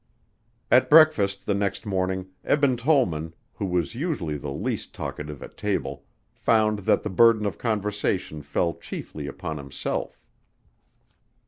At breakfast the next morning Eben Tollman, who was usually the least talkative at table, found that the burden of conversation fell chiefly upon himself.